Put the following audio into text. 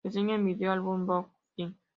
Reseña en vídeo del álbum Bay of Kings